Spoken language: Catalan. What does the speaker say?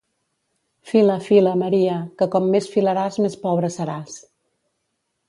Fila, fila, Maria, que com més filaràs més pobra seràs.